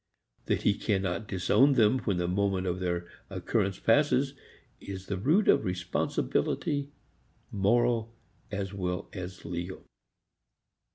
That he cannot disown them when the moment of their occurrence passes is the root of responsibility, moral as well as legal.